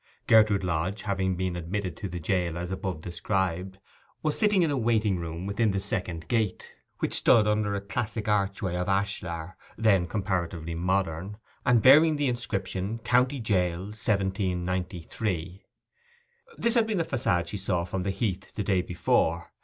Gertrude Lodge, having been admitted to the jail as above described, was sitting in a waiting room within the second gate, which stood under a classic archway of ashlar, then comparatively modern, and bearing the inscription, 'COVNTY JAIL: 1793.' This had been the façade she saw from the heath the day before.